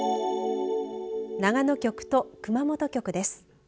長野局と熊本局です。